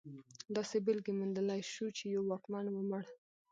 داسې بېلګې موندلی شو چې یو واکمن ومړ.